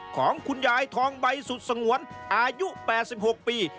ของคุณยายทองใบสุดสงวนอายุ๘๖ปี